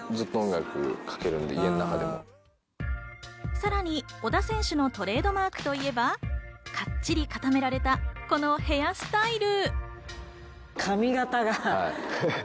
さらに小田選手のトレードマークといえば、かっちり固められた、このヘアスタイル。